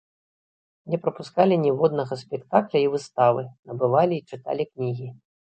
Не прапускалі ніводнага спектакля і выставы, набывалі і чыталі кнігі.